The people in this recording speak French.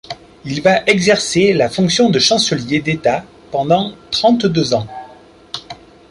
Il va exercer la fonction de chancelier d’État pendant trente-deux ans.